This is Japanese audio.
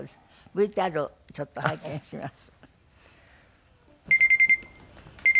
ＶＴＲをちょっと拝見します。